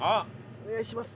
お願いします。